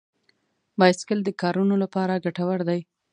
بایسکل د کارونو لپاره ګټور دی.